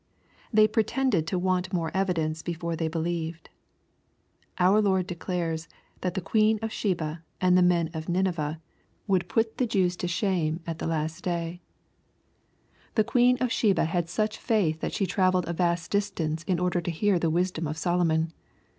They pretended to want more evidence before they be lieved. Our Lord declares that the Queen of Sheba and the men of Nineveh would put the Jews to shame at the LUKE^ CHAP. XI. 83 last day. The Queen of Sheba had such faith that she travelled a vast distance in order to liear the wisdom of Solomon.